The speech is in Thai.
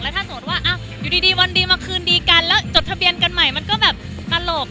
แต่ถ้าสมมติวันดีมคืนดีกันแล้วจดทะเบียนกันใหม่ก็แบบปละโหลก